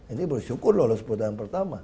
ini bersyukur lolos putaran pertama